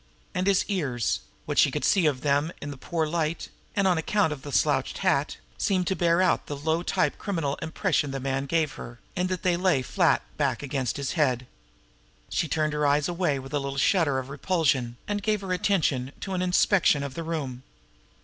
And his ears, what she could see of them in the poor light, and on account of the slouch hat, seemed to bear out the low type criminal impression the man gave her, in that they lay flat back against his head. She turned her eyes away with a little shudder of repulsion, and gave her attention to an inspection of the room.